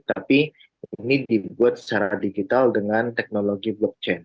tapi ini dibuat secara digital dengan teknologi blockchain